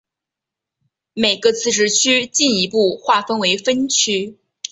每个自治区进一步划分为分区。